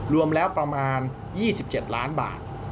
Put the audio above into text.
รวมแล้วประมาณ๒๗ล้านบาท